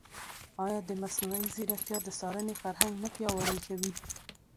ایا مصنوعي ځیرکتیا د څارنې فرهنګ نه پیاوړی کوي؟